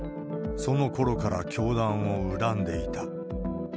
そのころから教団を恨んでいた。